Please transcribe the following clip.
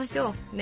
ね。